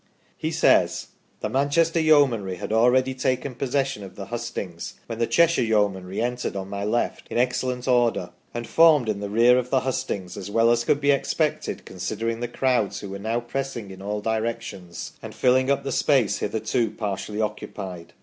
He says : "The Manchester Yeomanry had al ready taken possession of the hustings when the Cheshire Yeomanry entered on my left in excellent order, and formed in the rear of the hustings, as well as could be expected considering the crowds who were now pressing in all directions and filling up the space hitherto partially occupied.